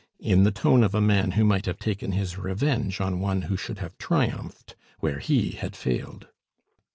in the tone of a man who might have taken his revenge on one who should have triumphed where he had failed.